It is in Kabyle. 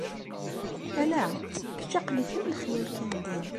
Ala... kečč aql-ik am lexyal kan din.